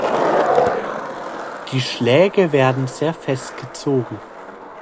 Die Schläge werden sehr fest gezogen.